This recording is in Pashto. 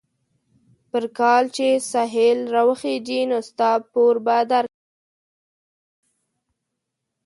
پر کال چې سهيل را وخېژي؛ نو ستا پور به در کړم.